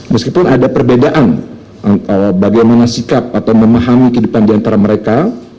meskipun ada perbedaan bagaimana sikap atau memahami kehidupan diantara mereka